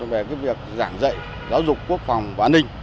về việc giảng dạy giáo dục quốc phòng và an ninh